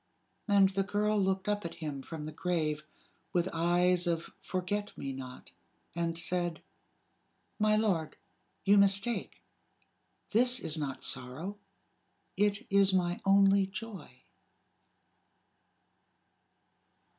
And the girl looked up at him from the grave, with eyes of forget me not, and said: "My lord, you mistake. This is not sorrow. It is my only joy."